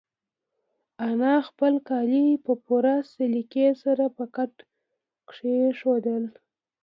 انا خپل کالي په پوره سلیقې سره په کټ کېښودل.